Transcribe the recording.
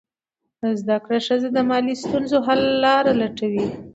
زده کړه ښځه د مالي ستونزو حل لاره لټوي.